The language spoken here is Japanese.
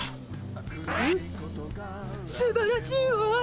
ハッすばらしいわ！